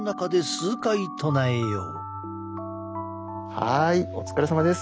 はいお疲れさまです。